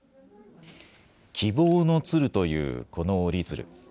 希望の鶴というこの折り鶴。